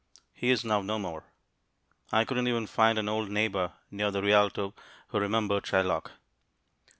He is now no more. I couldn't even find an old neighbor near the Rialto who remembered Shylock.